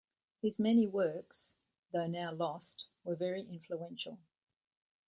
His many works, though now lost, were very influential.